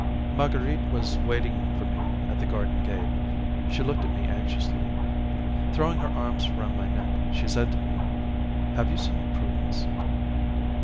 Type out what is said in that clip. Marguerite was waiting for me at the garden gate. She looked at me anxiously. Throwing her arms round my neck, she said to me: "Have you seen Prudence?"